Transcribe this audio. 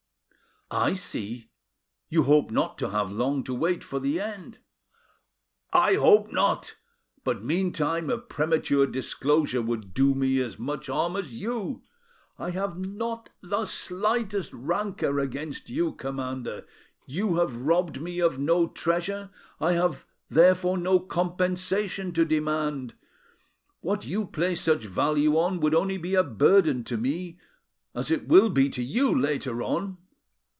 "I see, you hope not to have long to wait for the end." "I hope not; but meantime a premature disclosure would do me as much harm as you. I have not the slightest rancour against you, commander; you have robbed me of no treasure; I have therefore no compensation to demand. What you place such value on would be only a burden to me, as it will be to you later on.